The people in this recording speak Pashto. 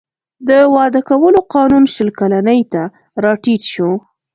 د واده کولو قانون شل کلنۍ ته راټیټ شو.